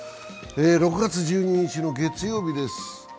６月１２日の月曜日です。